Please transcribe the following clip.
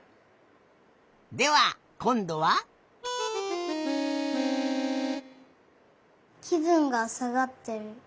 ではこんどは。きぶんがさがってる。